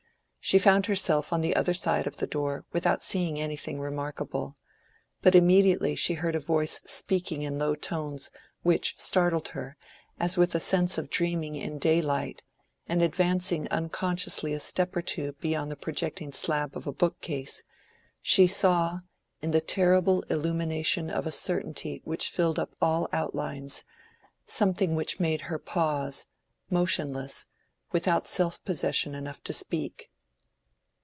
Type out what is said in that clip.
She found herself on the other side of the door without seeing anything remarkable, but immediately she heard a voice speaking in low tones which startled her as with a sense of dreaming in daylight, and advancing unconsciously a step or two beyond the projecting slab of a bookcase, she saw, in the terrible illumination of a certainty which filled up all outlines, something which made her pause, motionless, without self possession enough to speak.